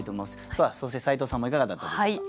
さあそして斉藤さんもいかがだったでしょうか？